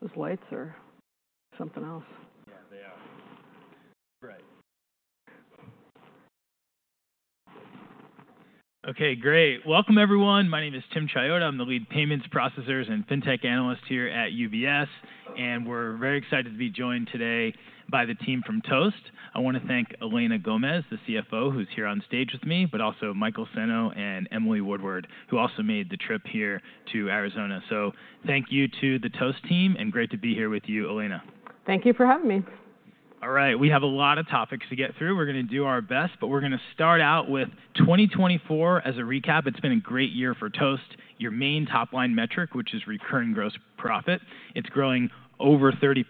Those lights are something else. Yeah, they are. Right. Okay, great. Welcome, everyone. My name is Timothy Chiodo. I'm the lead payments, processors, and fintech analyst here at UBS, and we're very excited to be joined today by the team from Toast. I want to thank Elena Gomez, the CFO, who's here on stage with me, but also Michael Senno and Emily Woodward, who also made the trip here to Arizona. Thank you to the Toast team, and great to be here with you, Elena. Thank you for having me. All right. We have a lot of topics to get through. We're going to do our best, but we're going to start out with 2024 as a recap. It's been a great year for Toast. Your main top-line metric, which is recurring gross profit, it's growing over 30%.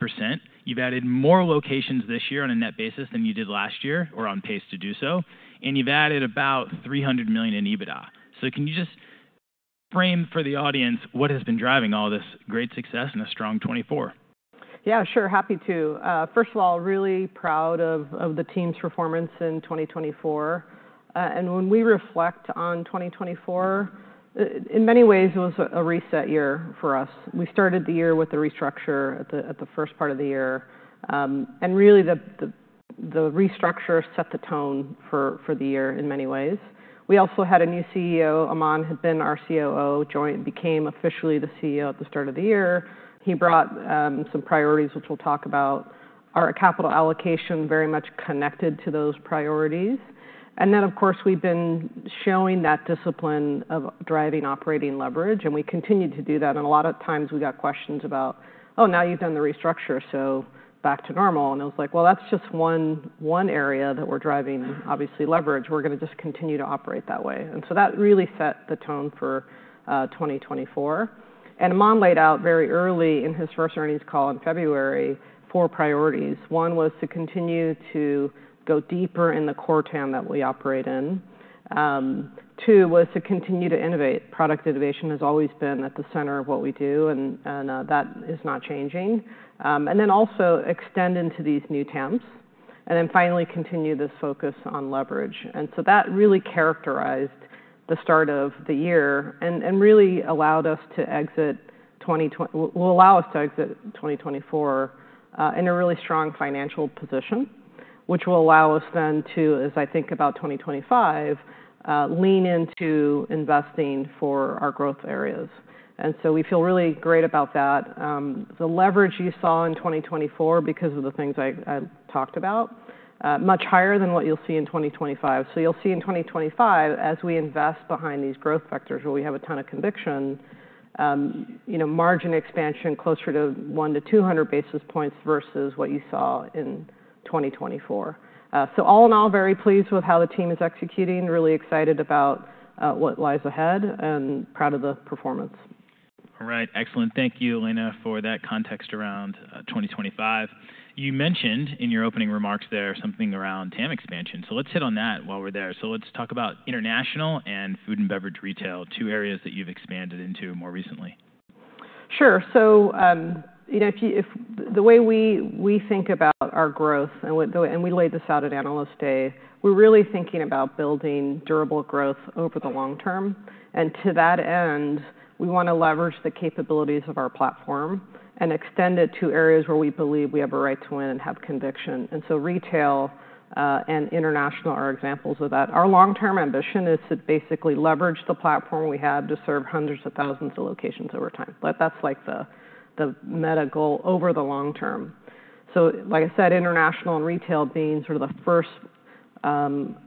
You've added more locations this year on a net basis than you did last year, or on pace to do so. And you've added about $300 million in EBITDA, so can you just frame for the audience what has been driving all this great success and a strong 2024? Yeah, sure. Happy to. First of all, really proud of the team's performance in 2024. And when we reflect on 2024, in many ways, it was a reset year for us. We started the year with a restructure at the first part of the year. And really, the restructure set the tone for the year in many ways. We also had a new CEO. Aman had been our COO, joined and became officially the CEO at the start of the year. He brought some priorities, which we'll talk about. Our capital allocation very much connected to those priorities. And then, of course, we've been showing that discipline of driving operating leverage, and we continue to do that. And a lot of times we got questions about, "Oh, now you've done the restructure, so back to normal." And it was like, "Well, that's just one area that we're driving, obviously, leverage. We're going to just continue to operate that way," and so that really set the tone for 2024, and Aman laid out very early in his first earnings call in February four priorities. One was to continue to go deeper in the core TAM that we operate in. Two was to continue to innovate. Product innovation has always been at the center of what we do, and that is not changing, and then also extend into these new TAMs, and then finally continue this focus on leverage, and so that really characterized the start of the year and really allowed us to exit 2023, which will allow us to exit 2024 in a really strong financial position, which will allow us then to, as I think about 2025, lean into investing for our growth areas, and so we feel really great about that. The leverage you saw in 2024, because of the things I talked about, is much higher than what you'll see in 2025. So you'll see in 2025, as we invest behind these growth vectors, where we have a ton of conviction, margin expansion closer to 100 basis points-200 basis points versus what you saw in 2024. So all in all, very pleased with how the team is executing, really excited about what lies ahead, and proud of the performance. All right. Excellent. Thank you, Elena, for that context around 2025. You mentioned in your opening remarks there something around TAM expansion. So let's hit on that while we're there. So let's talk about international and food and beverage retail, two areas that you've expanded into more recently. Sure. So the way we think about our growth, and we laid this out at Analyst Day, we're really thinking about building durable growth over the long term, and to that end, we want to leverage the capabilities of our platform and extend it to areas where we believe we have a right to win and have conviction, and so retail and international are examples of that. Our long-term ambition is to basically leverage the platform we have to serve hundreds of thousands of locations over time. That's like the meta goal over the long term, so like I said, international and retail being sort of the first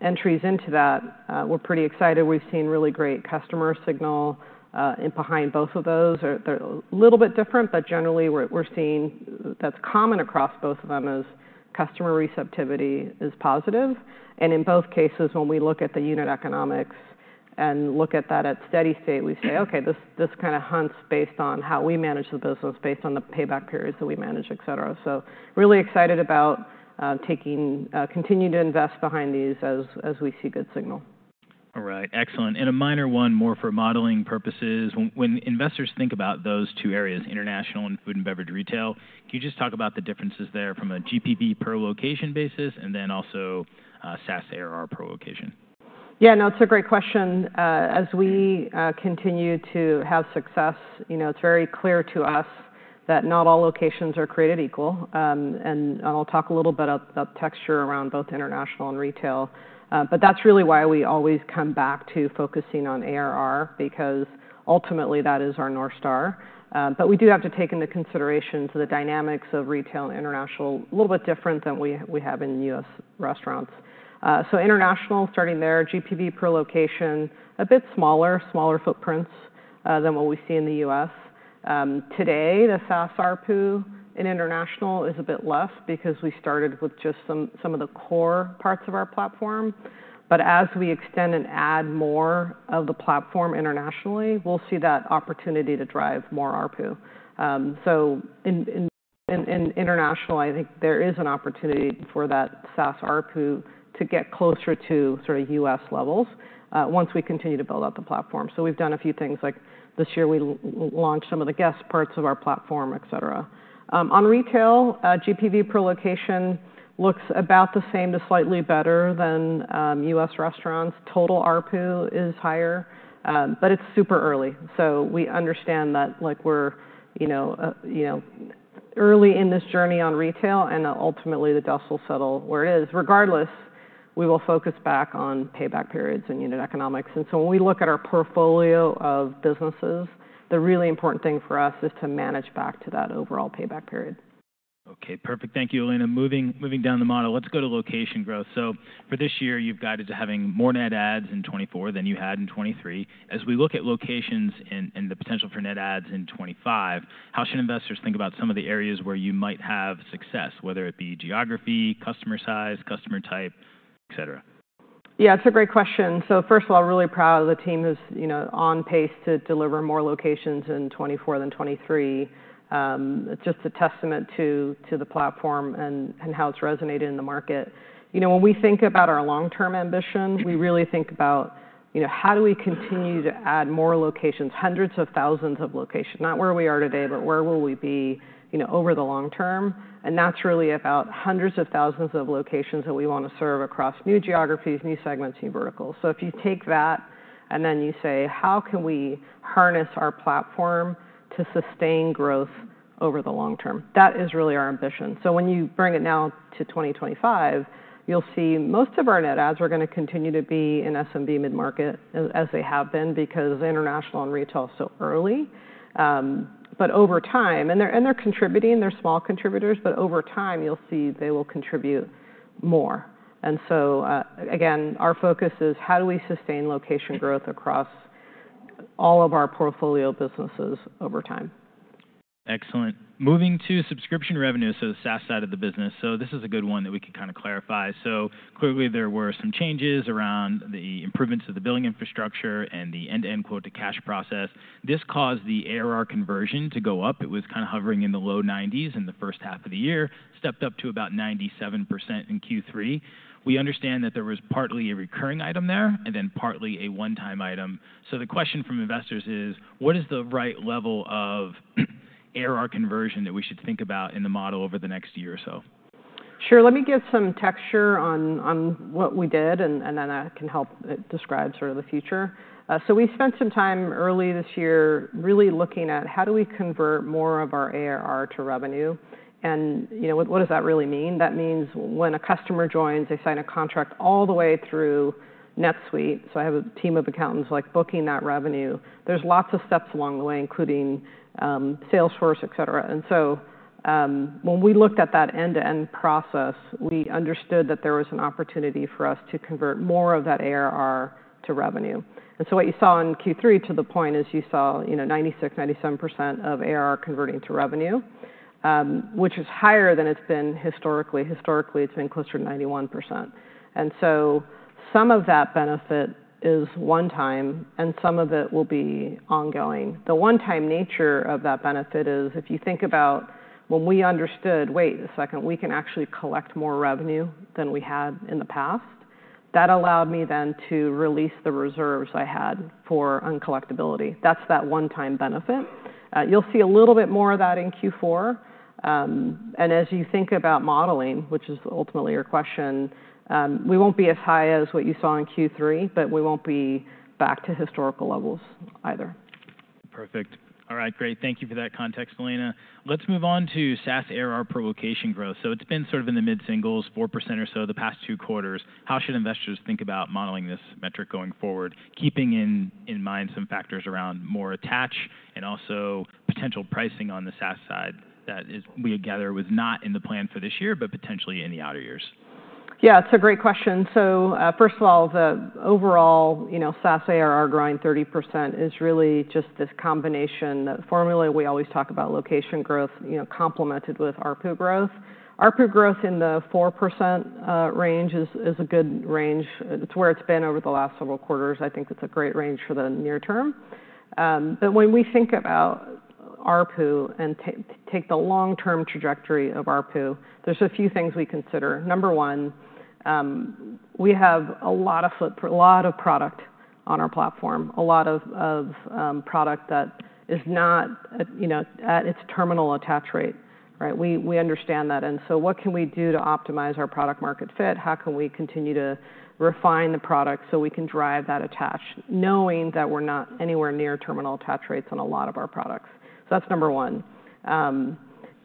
entries into that, we're pretty excited. We've seen really great customer signal behind both of those. They're a little bit different, but generally we're seeing that's common across both of them is customer receptivity is positive. And in both cases, when we look at the unit economics and look at that at steady state, we say, "Okay, this kind of runs based on how we manage the business, based on the payback periods that we manage," et cetera. So really excited about continuing to invest behind these as we see good signal. All right. Excellent. And one more minor for modeling purposes. When investors think about those two areas, international and food and beverage retail, can you just talk about the differences there from a GPV per location basis and then also SaaS ARR per location? Yeah, no, it's a great question. As we continue to have success, it's very clear to us that not all locations are created equal. And I'll talk a little bit about the texture around both international and retail. But that's really why we always come back to focusing on ARR, because ultimately that is our North Star. But we do have to take into consideration the dynamics of retail and international, a little bit different than we have in U.S. restaurants. So international, starting there, GPV per location, a bit smaller, smaller footprints than what we see in the U.S. Today, the SaaS ARPU in international is a bit less because we started with just some of the core parts of our platform. But as we extend and add more of the platform internationally, we'll see that opportunity to drive more ARPU. So in international, I think there is an opportunity for that SaaS ARPU to get closer to sort of U.S. levels once we continue to build out the platform. So we've done a few things, like this year we launched some of the guest parts of our platform, et cetera. On retail, GPV per location looks about the same to slightly better than U.S. restaurants. Total ARPU is higher, but it's super early. So we understand that we're early in this journey on retail, and ultimately the dust will settle where it is. Regardless, we will focus back on payback periods and unit economics. And so when we look at our portfolio of businesses, the really important thing for us is to manage back to that overall payback period. Okay, perfect. Thank you, Elena. Moving down the model, let's go to location growth. So for this year, you've guided to having more net adds in 2024 than you had in 2023. As we look at locations and the potential for net adds in 2025, how should investors think about some of the areas where you might have success, whether it be geography, customer size, customer type, et cetera? Yeah, it's a great question. So first of all, really proud of the team who's on pace to deliver more locations in 2024 than 2023. It's just a testament to the platform and how it's resonated in the market. When we think about our long-term ambition, we really think about how do we continue to add more locations, hundreds of thousands of locations, not where we are today, but where will we be over the long term? And that's really about hundreds of thousands of locations that we want to serve across new geographies, new segments, new verticals. So if you take that and then you say, "How can we harness our platform to sustain growth over the long term?" That is really our ambition. So when you bring it now to 2025, you'll see most of our net adds are going to continue to be in SMB mid-market as they have been because international and retail is so early. But over time, and they're contributing, they're small contributors, but over time you'll see they will contribute more. And so again, our focus is how do we sustain location growth across all of our portfolio businesses over time? Excellent. Moving to subscription revenue, so the SaaS side of the business. So this is a good one that we could kind of clarify. So clearly there were some changes around the improvements of the billing infrastructure and the end-to-end quote to cash process. This caused the ARR conversion to go up. It was kind of hovering in the low 90s in the first half of the year, stepped up to about 97% in Q3. We understand that there was partly a recurring item there and then partly a one-time item. So the question from investors is, what is the right level of ARR conversion that we should think about in the model over the next year or so? Sure. Let me give some texture on what we did, and then I can help describe sort of the future. So we spent some time early this year really looking at how do we convert more of our ARR to revenue. And what does that really mean? That means when a customer joins, they sign a contract all the way through NetSuite. So I have a team of accountants booking that revenue. There's lots of steps along the way, including Salesforce, et cetera. And so when we looked at that end-to-end process, we understood that there was an opportunity for us to convert more of that ARR to revenue. And so what you saw in Q3, to the point, is you saw 96%, 97% of ARR converting to revenue, which is higher than it's been historically. Historically, it's been closer to 91%. And so some of that benefit is one-time, and some of it will be ongoing. The one-time nature of that benefit is if you think about when we understood, "Wait a second, we can actually collect more revenue than we had in the past," that allowed me then to release the reserves I had for uncollectibility. That's that one-time benefit. You'll see a little bit more of that in Q4. And as you think about modeling, which is ultimately your question, we won't be as high as what you saw in Q3, but we won't be back to historical levels either. Perfect. All right, great. Thank you for that context, Elena. Let's move on to SaaS ARR per location growth. So it's been sort of in the mid-singles, 4% or so the past two quarters. How should investors think about modeling this metric going forward, keeping in mind some factors around more attach and also potential pricing on the SaaS side that we gather was not in the plan for this year, but potentially in the outer years? Yeah, it's a great question. So first of all, the overall SaaS ARR growing 30% is really just this combination that formula we always talk about location growth complemented with ARPU growth. ARPU growth in the 4% range is a good range. It's where it's been over the last several quarters. I think it's a great range for the near term. But when we think about ARPU and take the long-term trajectory of ARPU, there's a few things we consider. Number one, we have a lot of footprint, a lot of product on our platform, a lot of product that is not at its terminal attach rate. We understand that. And so what can we do to optimize our product-market fit? How can we continue to refine the product so we can drive that attach, knowing that we're not anywhere near terminal attach rates on a lot of our products? So that's number one.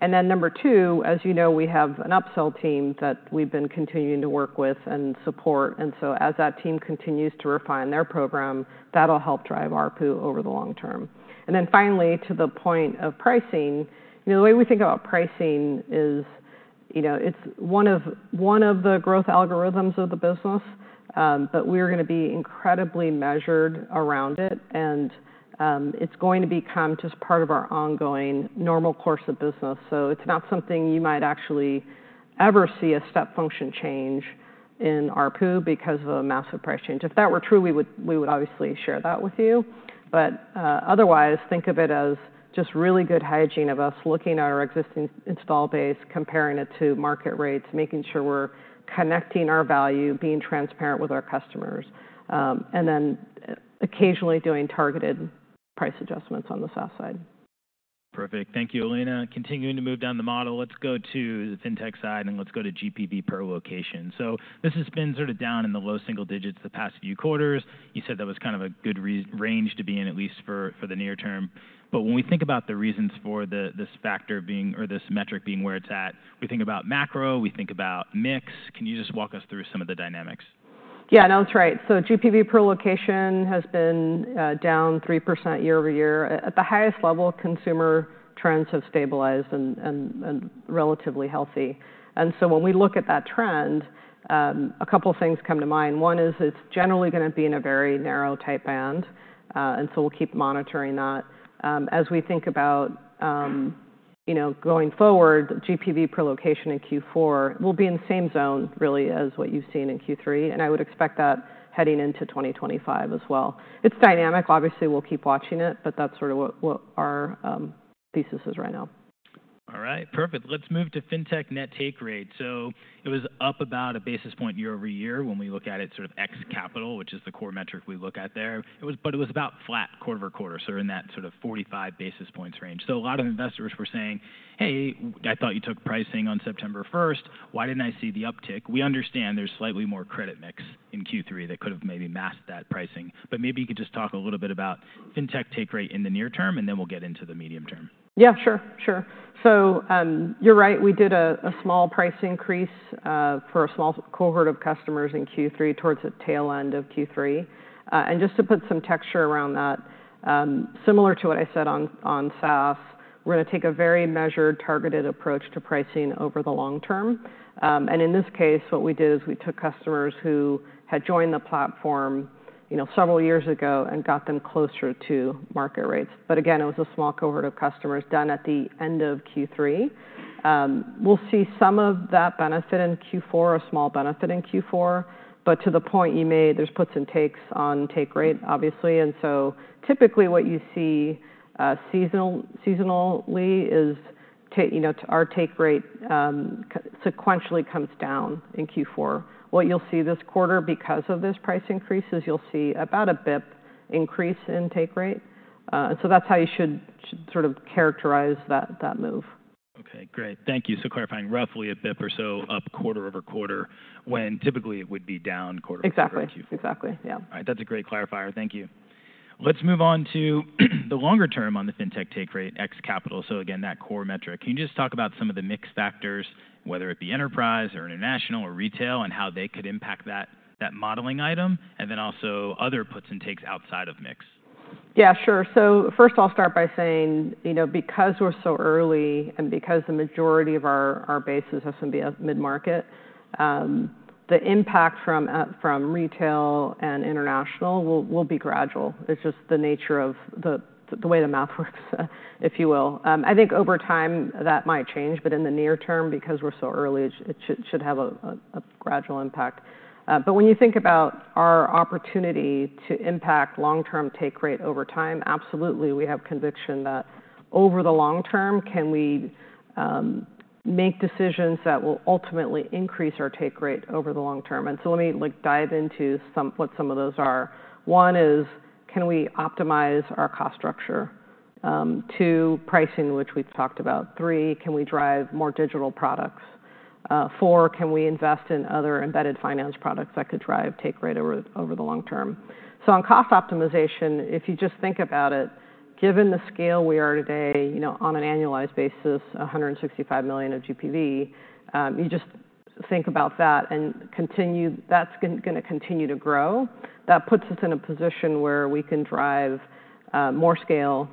And then number two, as you know, we have an upsell team that we've been continuing to work with and support. And so as that team continues to refine their program, that'll help drive ARPU over the long term. And then finally, to the point of pricing, the way we think about pricing is it's one of the growth algorithms of the business, but we're going to be incredibly measured around it. And it's going to become just part of our ongoing normal course of business. So it's not something you might actually ever see a step function change in ARPU because of a massive price change. If that were true, we would obviously share that with you. But otherwise, think of it as just really good hygiene of us looking at our existing installed base, comparing it to market rates, making sure we're connecting our value, being transparent with our customers, and then occasionally doing targeted price adjustments on the SaaS side. Perfect. Thank you, Elena. Continuing to move down the model, let's go to the fintech side and let's go to GPV per location. So this has been sort of down in the low single digits the past few quarters. You said that was kind of a good range to be in, at least for the near term. But when we think about the reasons for this factor being or this metric being where it's at, we think about macro, we think about mix. Can you just walk us through some of the dynamics? Yeah, no, that's right. So GPV per location has been down 3% year-over-year. At the highest level, consumer trends have stabilized and are relatively healthy. And so when we look at that trend, a couple of things come to mind. One is it's generally going to be in a very narrow tight band. And so we'll keep monitoring that. As we think about going forward, GPV per location in Q4 will be in the same zone really as what you've seen in Q3. And I would expect that heading into 2025 as well. It's dynamic. Obviously, we'll keep watching it, but that's sort of what our thesis is right now. All right, perfect. Let's move to fintech net take rate. So it was up about a basis point year-over-year when we look at it sort of ex capital, which is the core metric we look at there. But it was about flat quarter-over-quarter, so in that sort of 45 basis points range. So a lot of investors were saying, "Hey, I thought you took pricing on September 1st. Why didn't I see the uptick?" We understand there's slightly more credit mix in Q3 that could have maybe masked that pricing. But maybe you could just talk a little bit about fintech take rate in the near term, and then we'll get into the medium term. Yeah, sure, sure. So you're right. We did a small price increase for a small cohort of customers in Q3 towards the tail end of Q3. And just to put some texture around that, similar to what I said on SaaS, we're going to take a very measured, targeted approach to pricing over the long term. And in this case, what we did is we took customers who had joined the platform several years ago and got them closer to market rates. But again, it was a small cohort of customers done at the end of Q3. We'll see some of that benefit in Q4, a small benefit in Q4. But to the point you made, there's puts and takes on take rate, obviously. And so typically what you see seasonally is our take rate sequentially comes down in Q4. What you'll see this quarter because of this price increase is you'll see about a basis point increase in take rate. And so that's how you should sort of characterize that move. Okay, great. Thank you. So clarifying roughly a basis point or so up quarter-over-quarter when typically it would be down quarter-over-quarter in Q4. Exactly, exactly, yeah. All right, that's a great clarifier. Thank you. Let's move on to the longer term on the fintech take rate ex capital. So again, that core metric. Can you just talk about some of the mix factors, whether it be enterprise or international or retail, and how they could impact that modeling item? And then also other puts and takes outside of mix? Yeah, sure. So first I'll start by saying because we're so early and because the majority of our bases are going to be mid-market, the impact from retail and international will be gradual. It's just the nature of the way the math works, if you will. I think over time that might change, but in the near term, because we're so early, it should have a gradual impact. But when you think about our opportunity to impact long-term take rate over time, absolutely, we have conviction that over the long term, can we make decisions that will ultimately increase our take rate over the long term? And so let me dive into what some of those are. One is, can we optimize our cost structure? Two, pricing, which we've talked about. Three, can we drive more digital products? Four, can we invest in other embedded finance products that could drive take rate over the long term? So on cost optimization, if you just think about it, given the scale we are today on an annualized basis, $165 million of GPV, you just think about that and continue, that's going to continue to grow. That puts us in a position where we can drive more scale,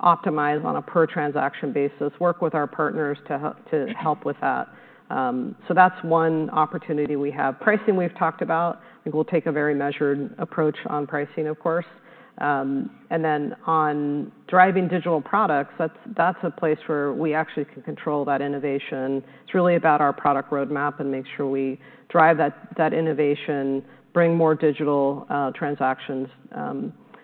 optimize on a per transaction basis, work with our partners to help with that. So that's one opportunity we have. Pricing, we've talked about. I think we'll take a very measured approach on pricing, of course. And then on driving digital products, that's a place where we actually can control that innovation. It's really about our product roadmap and make sure we drive that innovation, bring more digital transactions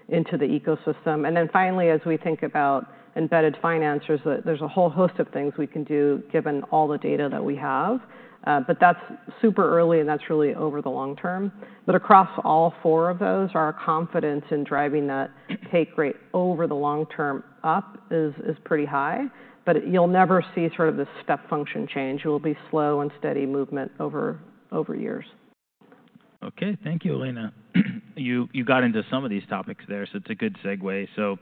into the ecosystem. And then finally, as we think about embedded financers, there's a whole host of things we can do given all the data that we have. But that's super early and that's really over the long term. But across all four of those, our confidence in driving that take rate over the long term up is pretty high. But you'll never see sort of this step function change. It will be slow and steady movement over years. Okay, thank you, Elena. You got into some of these topics there, so it's a good segue. So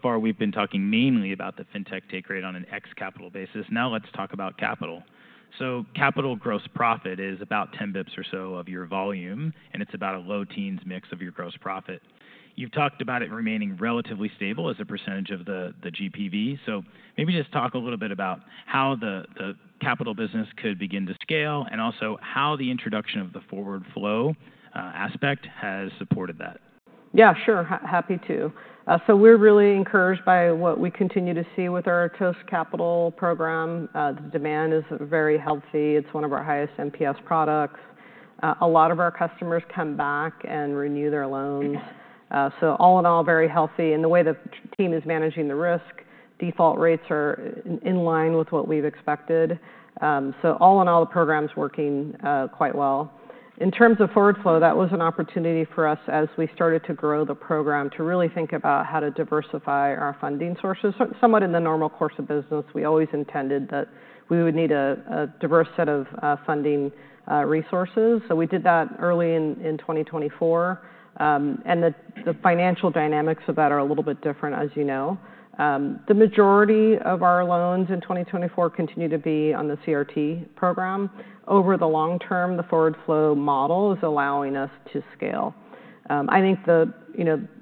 far we've been talking mainly about the fintech take rate on an ex capital basis. Now let's talk about capital. So capital gross profit is about 10 basis points or so of your volume, and it's about a low teens mix of your gross profit. You've talked about it remaining relatively stable as a percentage of the GPV. So maybe just talk a little bit about how the capital business could begin to scale and also how the introduction of the forward flow aspect has supported that. Yeah, sure, happy to. So we're really encouraged by what we continue to see with our Toast Capital program. The demand is very healthy. It's one of our highest NPS products. A lot of our customers come back and renew their loans, so all in all, very healthy, and the way the team is managing the risk, default rates are in line with what we've expected, so all in all, the program's working quite well. In terms of forward flow, that was an opportunity for us as we started to grow the program to really think about how to diversify our funding sources. Somewhat in the normal course of business, we always intended that we would need a diverse set of funding resources, so we did that early in 2024, and the financial dynamics of that are a little bit different, as you know. The majority of our loans in 2024 continue to be on the CRT program. Over the long term, the forward flow model is allowing us to scale. I think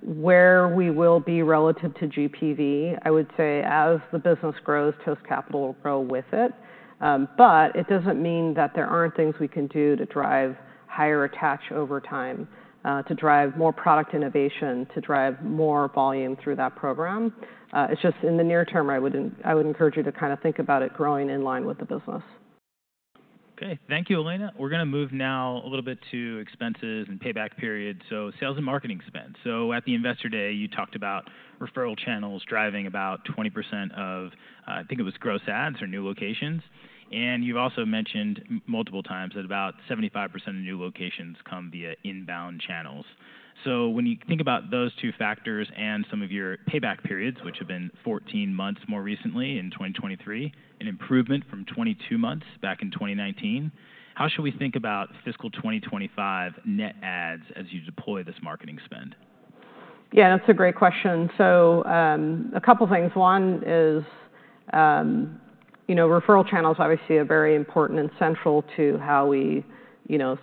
where we will be relative to GPV, I would say as the business grows, Toast Capital will grow with it. But it doesn't mean that there aren't things we can do to drive higher attach over time, to drive more product innovation, to drive more volume through that program. It's just in the near term, I would encourage you to kind of think about it growing in line with the business. Okay, thank you, Elena. We're going to move now a little bit to expenses and payback period. So sales and marketing spend. So at the Investor Day, you talked about referral channels driving about 20% of, I think it was gross adds or new locations. And you've also mentioned multiple times that about 75% of new locations come via inbound channels. So when you think about those two factors and some of your payback periods, which have been 14 months more recently in 2023, an improvement from 22 months back in 2019, how should we think about fiscal 2025 net adds as you deploy this marketing spend? Yeah, that's a great question. So a couple of things. One is referral channels obviously are very important and central to how we're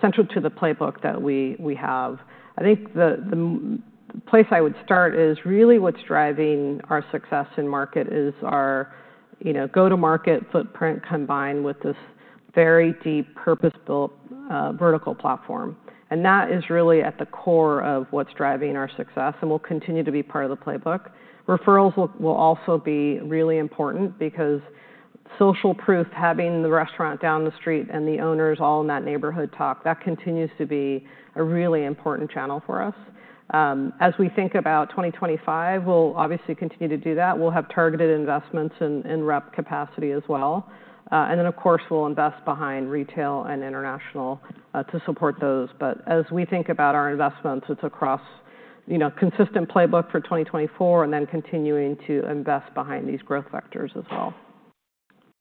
central to the playbook that we have. I think the place I would start is really what's driving our success in market is our go-to-market footprint combined with this very deep purpose-built vertical platform. That is really at the core of what's driving our success and will continue to be part of the playbook. Referrals will also be really important because social proof, having the restaurant down the street and the owners all in that neighborhood talk, that continues to be a really important channel for us. As we think about 2025, we'll obviously continue to do that. We'll have targeted investments in rep capacity as well. And then, of course, we'll invest behind retail and international to support those. But as we think about our investments, it's across consistent playbook for 2024 and then continuing to invest behind these growth vectors as well.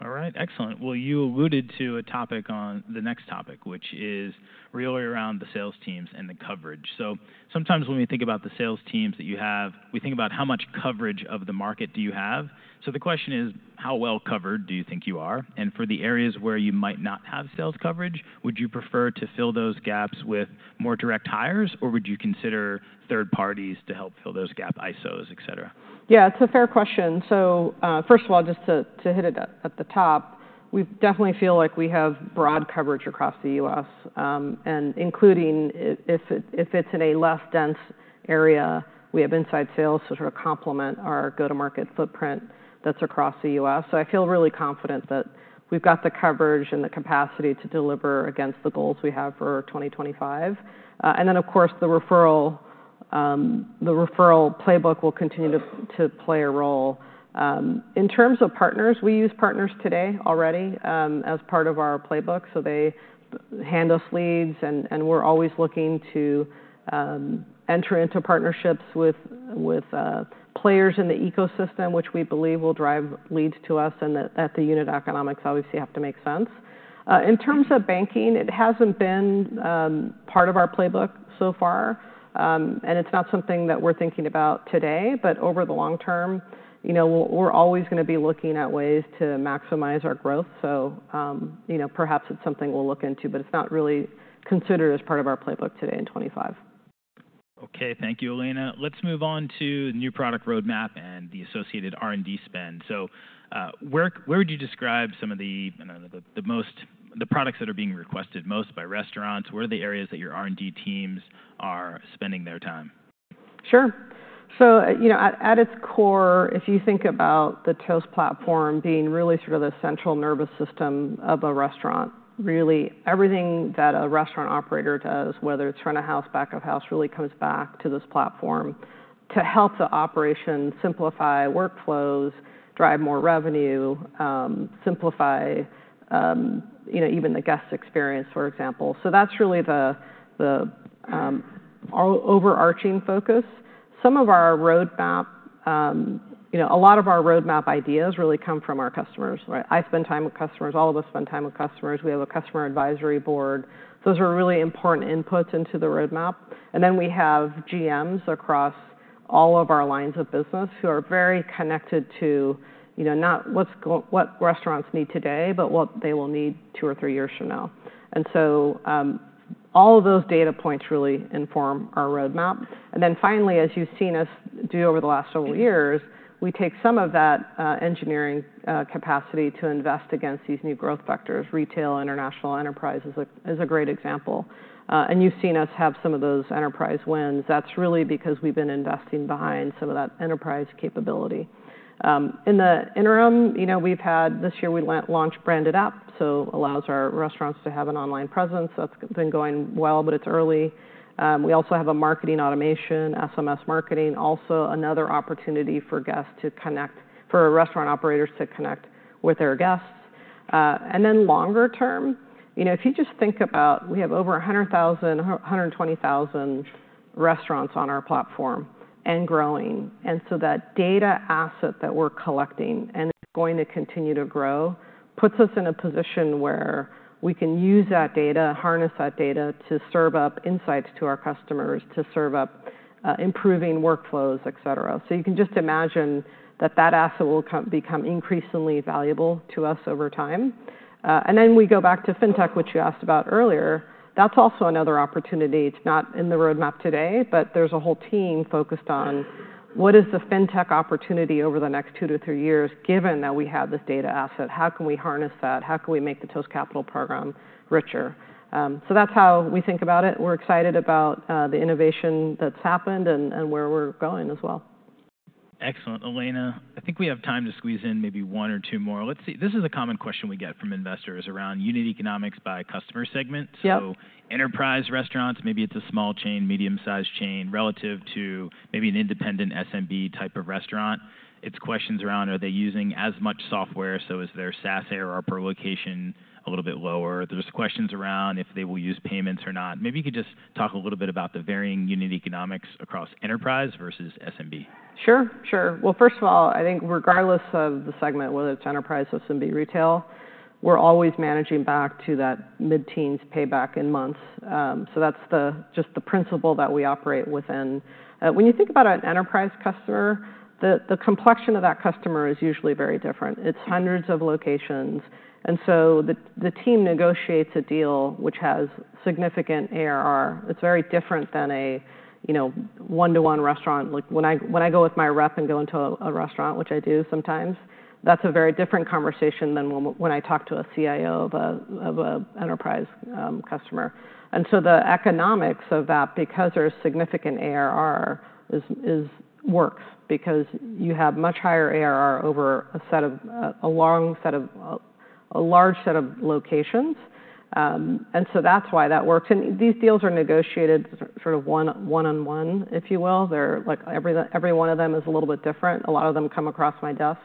All right, excellent. Well, you alluded to a topic on the next topic, which is really around the sales teams and the coverage. So sometimes when we think about the sales teams that you have, we think about how much coverage of the market do you have. So the question is, how well covered do you think you are? And for the areas where you might not have sales coverage, would you prefer to fill those gaps with more direct hires or would you consider third parties to help fill those gaps, ISOs, etc.? Yeah, it's a fair question. So first of all, just to hit it at the top, we definitely feel like we have broad coverage across the U.S. And including if it's in a less dense area, we have inside sales to sort of complement our go-to-market footprint that's across the U.S. So I feel really confident that we've got the coverage and the capacity to deliver against the goals we have for 2025. And then, of course, the referral playbook will continue to play a role. In terms of partners, we use partners today already as part of our playbook. So they hand us leads and we're always looking to enter into partnerships with players in the ecosystem, which we believe will drive leads to us and that the unit economics obviously have to make sense. In terms of banking, it hasn't been part of our playbook so far. It's not something that we're thinking about today, but over the long term, we're always going to be looking at ways to maximize our growth. Perhaps it's something we'll look into, but it's not really considered as part of our playbook today in 2025. Okay, thank you, Elena. Let's move on to the new product roadmap and the associated R&D spend. So where would you describe some of the most products that are being requested most by restaurants? Where are the areas that your R&D teams are spending their time? Sure. So at its core, if you think about the Toast platform being really sort of the central nervous system of a restaurant, really everything that a restaurant operator does, whether it's front of house, back of house, really comes back to this platform to help the operation simplify workflows, drive more revenue, simplify even the guest experience, for example. So that's really the overarching focus. Some of our roadmap, a lot of our roadmap ideas really come from our customers. I spend time with customers, all of us spend time with customers. We have a customer advisory board. Those are really important inputs into the roadmap. And then we have GMs across all of our lines of business who are very connected to not what restaurants need today, but what they will need two or three years from now. And so all of those data points really inform our roadmap. And then finally, as you've seen us do over the last several years, we take some of that engineering capacity to invest against these new growth vectors. Retail, international enterprise is a great example. And you've seen us have some of those enterprise wins. That's really because we've been investing behind some of that enterprise capability. In the interim, we've had this year we launched Branded App, so it allows our restaurants to have an online presence. That's been going well, but it's early. We also have a marketing automation, SMS marketing, also another opportunity for guests to connect, for restaurant operators to connect with their guests. And then longer term, if you just think about we have over 100,000, 120,000 restaurants on our platform and growing. That data asset that we're collecting and going to continue to grow puts us in a position where we can use that data, harness that data to serve up insights to our customers, to serve up improving workflows, etc. You can just imagine that that asset will become increasingly valuable to us over time. We go back to fintech, which you asked about earlier. That's also another opportunity. It's not in the roadmap today, but there's a whole team focused on what is the fintech opportunity over the next 2 years-3 years, given that we have this data asset? How can we harness that? How can we make the Toast Capital program richer? That's how we think about it. We're excited about the innovation that's happened and where we're going as well. Excellent, Elena. I think we have time to squeeze in maybe one or two more. This is a common question we get from investors around unit economics by customer segment. Enterprise restaurants, maybe it's a small chain, medium-sized chain relative to maybe an independent SMB type of restaurant. It's questions around, are they using as much software? So is their SaaS ARR per location a little bit lower? There's questions around if they will use payments or not. Maybe you could just talk a little bit about the varying unit economics across enterprise versus SMB. Sure, sure. Well, first of all, I think regardless of the segment, whether it's enterprise, SMB, retail, we're always managing back to that mid-teens payback in months. So that's just the principle that we operate within. When you think about an enterprise customer, the complexion of that customer is usually very different. It's hundreds of locations. And so the team negotiates a deal which has significant ARR. It's very different than a one-to-one restaurant. When I go with my rep and go into a restaurant, which I do sometimes, that's a very different conversation than when I talk to a CIO of an enterprise customer. And so the economics of that, because there's significant ARR, works because you have much higher ARR over a long set of a large set of locations. And so that's why that works. And these deals are negotiated sort of one-on-one, if you will. Every one of them is a little bit different. A lot of them come across my desk,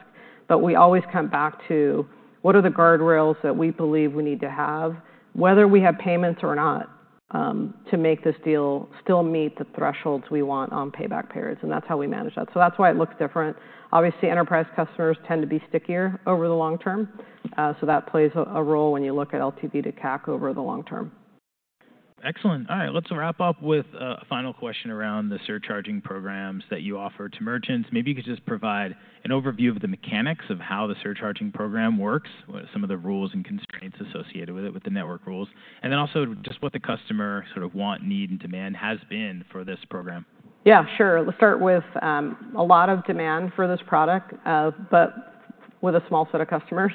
but we always come back to what are the guardrails that we believe we need to have, whether we have payments or not, to make this deal still meet the thresholds we want on payback periods, and that's how we manage that, so that's why it looks different. Obviously, enterprise customers tend to be stickier over the long term, so that plays a role when you look at LTV to CAC over the long term. Excellent. All right, let's wrap up with a final question around the surcharging programs that you offer to merchants. Maybe you could just provide an overview of the mechanics of how the surcharging program works, some of the rules and constraints associated with it, with the network rules. And then also just what the customer sort of want, need, and demand has been for this program. Yeah, sure. Let's start with a lot of demand for this product, but with a small set of customers,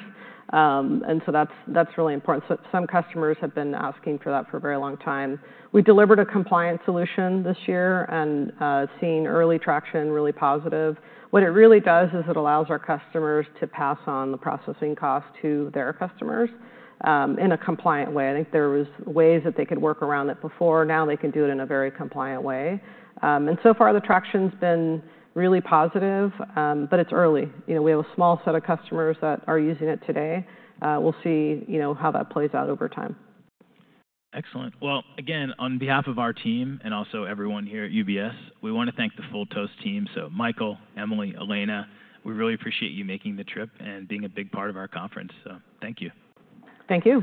and so that's really important. Some customers have been asking for that for a very long time. We delivered a compliance solution this year and seen early traction, really positive. What it really does is it allows our customers to pass on the processing cost to their customers in a compliant way. I think there were ways that they could work around it before. Now they can do it in a very compliant way, and so far, the traction has been really positive, but it's early. We have a small set of customers that are using it today. We'll see how that plays out over time. Excellent. Well, again, on behalf of our team and also everyone here at UBS, we want to thank the full Toast team. So Michael, Emily, Elena, we really appreciate you making the trip and being a big part of our conference. So, thank you. Thank you.